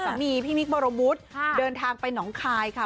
กับสามีพี่มิ๊กบรมวุฒิเดินทางไปหนองคายค่ะ